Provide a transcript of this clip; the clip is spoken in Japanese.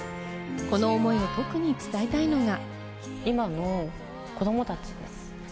この思いを特に伝えたいのが。